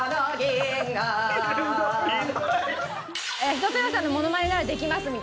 一青窈さんのモノマネならできますみたいな。